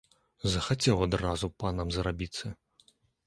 Захацеў адразу панам зрабіцца!